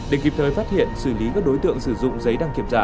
để kịp thời phát hiện xử lý các đối tượng sử dụng giấy đăng kiểm giả